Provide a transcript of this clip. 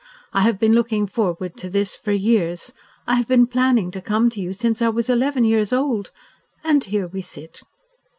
I have been looking forward to this for years. I have been planning to come to you since I was eleven years old. And here we sit."